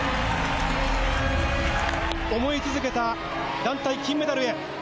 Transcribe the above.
思い続けた団体金メダルへ！